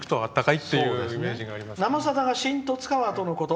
「『生さだ』が新十津川とのこと。